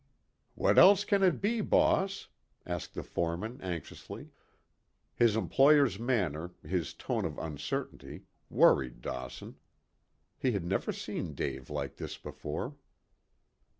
"What else can it be, boss?" asked the foreman anxiously. His employer's manner, his tone of uncertainty, worried Dawson. He had never seen Dave like this before.